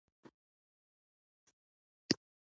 نه، خو د ژېړي ډېرې واقعې مې لیدلې.